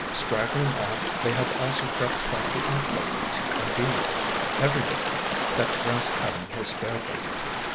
Straggling off, they have also crept about the outbuildings — indeed, everywhere that grass cutting has spared them.